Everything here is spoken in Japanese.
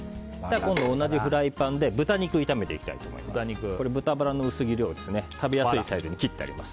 今度は同じフライパンで豚肉を炒めていきたいと思います。